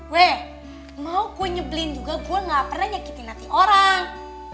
weh mau gue nyebelin juga gue gak pernah nyakitin hati orang